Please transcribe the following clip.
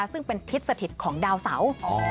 ซึ่งเป็นทิศสถิตของดาวเสา